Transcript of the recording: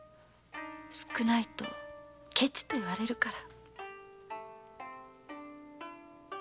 少ないとケチと言われるから